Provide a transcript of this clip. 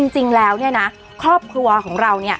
จริงแล้วครอบครัวของเรา